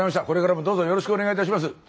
これからもどうぞよろしくお願いいたします。